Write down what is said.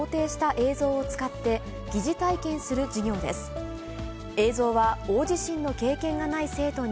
映像は大地震の経験がない生徒に、